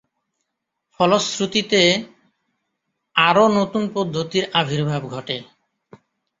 ফলশ্রুতিতে আরো নতুন পদ্ধতির আবির্ভাব ঘটে।